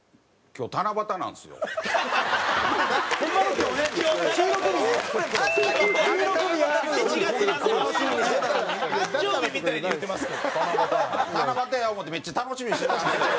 今日の七夕なんですか！？